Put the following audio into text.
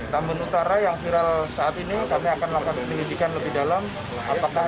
balap lari liar malam hari sebelumnya sudah terjadi di beberapa daerah